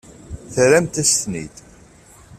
Terramt-as-ten-id.